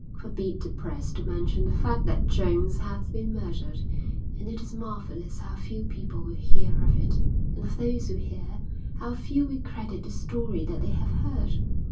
Forbid the Press to mention the fact that Jones has been murdered, and it is marvelous how few people will hear of it, and of those who hear how few will credit the story that they have heard.